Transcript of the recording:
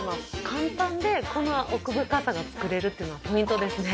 簡単でこの奥深さが作れるっていうのはポイントですね。